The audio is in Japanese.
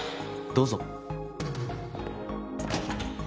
どうぞ。